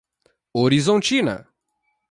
Horizontina